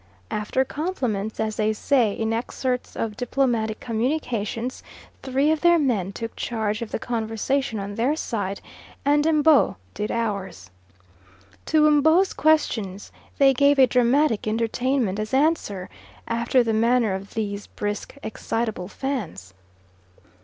After compliments, as they say, in excerpts of diplomatic communications, three of their men took charge of the conversation on their side, and M'bo did ours. To M'bo's questions they gave a dramatic entertainment as answer, after the manner of these brisk, excitable Fans.